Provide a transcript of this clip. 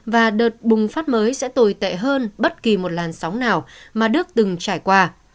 và đợt bùng phát mới sẽ tồi tệ hơn bất kỳ một làn sóng nào mà đức từng trải qua